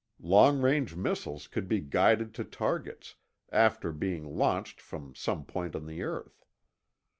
Long range missiles could be guided to targets, after being launched from some point on the earth.